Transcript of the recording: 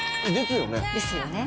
ですよね？